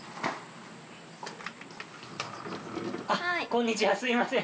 こんにちはすみません